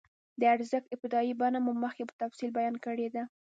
د ارزښت ابتدايي بڼه مو مخکې په تفصیل بیان کړې ده